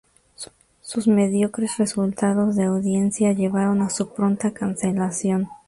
Sus mediocres resultados de audiencia llevaron a su pronta cancelación.